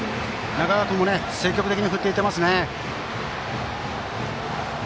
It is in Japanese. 中川君も積極的に振っていますね。